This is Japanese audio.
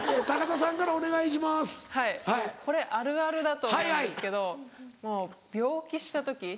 （田これあるあるだと思うんですけどもう病気した時。